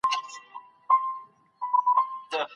که انلاین درس وي نو خنډ نه پیدا کیږي.